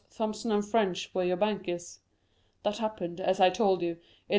Thomson & French were your bankers. That happened, as I told you, in 1829.